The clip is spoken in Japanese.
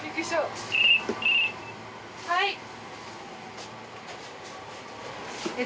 はい。